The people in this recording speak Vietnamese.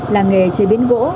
làng nghề chế biến gỗ